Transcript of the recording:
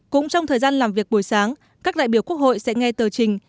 cũng trong thời gian làm việc buổi sáng các đại biểu quốc hội sẽ nghe tờ trình